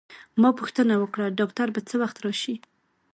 ما پوښتنه وکړه: ډاکټر به څه وخت راشي؟